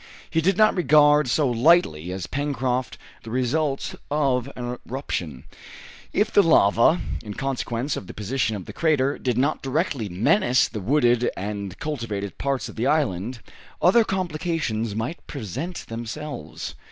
He did not regard so lightly as Pencroft the results of an eruption. If the lava, in consequence of the position of the crater, did not directly menace the wooded and cultivated parts of the island, other complications might present themselves.